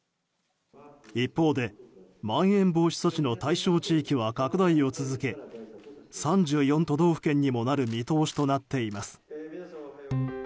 一方で、まん延防止措置の対象地域は拡大を続け３４都道府県にもなる見通しとなっています。